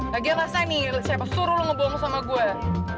lagi yang rasanya nih siapa suruh lo ngebom sama gue